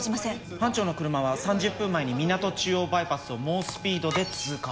班長の車は３０分前にみなと中央バイパスを猛スピードで通過。